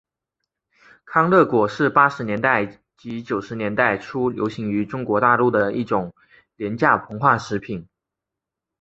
康乐果是八十年代及九十年代初流行于中国大陆一种廉价膨化食品。